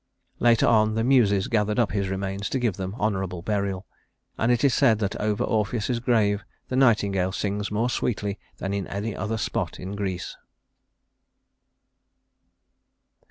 Later on, the Muses gathered up his remains to give them honorable burial; and it is said that over Orpheus's grave the nightingale sings more sweetly than in any other spot in Greece.